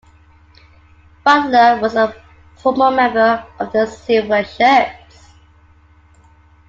Butler was a former member of the Silver Shirts.